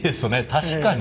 確かに。